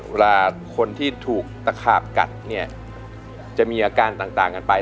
เวลาคนที่ถูกตะขาบกัดเนี่ยจะมีอาการต่างกันไป